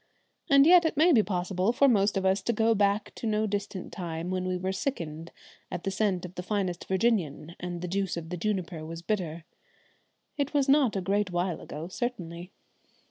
And yet it may be possible for most of us to go back to no distant time when we sickened at the scent of the finest Virginian and the juice of the juniper was bitter. It was not a great while ago certainly!